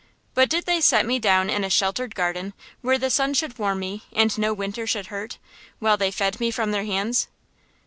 But did they set me down in a sheltered garden, where the sun should warm me, and no winter should hurt, while they fed me from their hands?